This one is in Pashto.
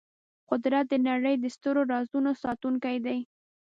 قدرت د نړۍ د سترو رازونو ساتونکی دی.